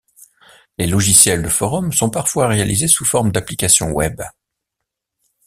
Les logiciels de forums sont parfois réalisés sous forme d'application web.